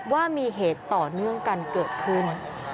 ว่ามีเหตุต่อเนื่องกันเกิดขึ้น